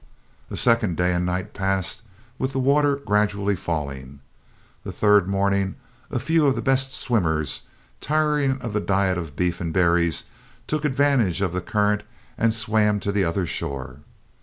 A second day and night passed, with the water gradually falling. The third morning a few of the best swimmers, tiring of the diet of beef and berries, took advantage of the current and swam to the other shore.